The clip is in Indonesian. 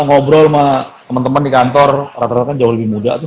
ngobrol sama teman teman di kantor rata rata kan jauh lebih muda tuh